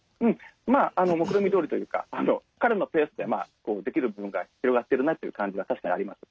もくろみどおりというか彼のペースでできる部分が広がってるなという感じは確かにあります。